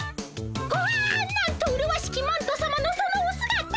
おおなんとうるわしきマントさまのそのおすがた。